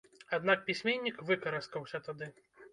Аднак пісьменнік выкараскаўся тады.